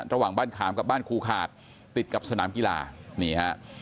ระหว่างบ้านขามกับบ้านครูขาดติดกับสนามกีฬานี่ฮะ